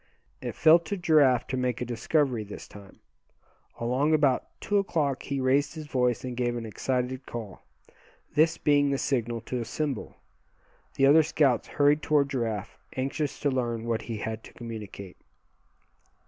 It fell to Giraffe to make a discovery this time. Along about two o'clock he raised his voice and gave an excited call. This being the signal to assemble, the other scouts hurried toward Giraffe, anxious to learn what he had to communicate.